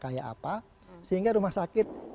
kayak apa sehingga rumah sakit